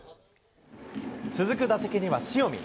続く打席には塩見。